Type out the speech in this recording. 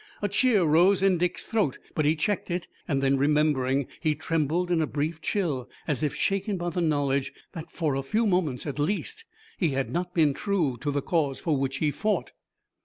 A cheer rose in Dick's throat, but he checked it, and then, remembering, he trembled in a brief chill, as if shaken by the knowledge that for a few moments at least he had not been true to the cause for which he fought.